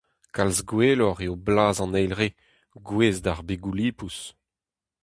Kalz gwelloc'h eo blaz an eil re, gouez d'ar begoù-lipous.